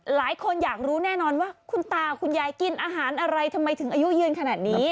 หลายคนอยากรู้แน่นอนว่าคุณตาคุณยายกินอาหารอะไรทำไมถึงอายุยืนขนาดนี้